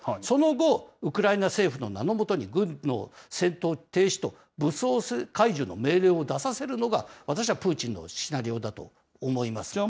その後、ウクライナ政府の名の下に軍の戦闘停止と武装解除の命令を出させるのが、私はプーチンのシナリオだと思います。